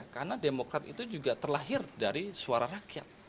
karena demokrat itu juga terlahir dari suara rakyat